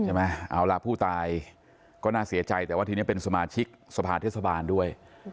เอาล่ะผู้ตายก็น่าเสียใจแต่ว่าทีนี้เป็นสมาชิกสภาเทศบาลด้วย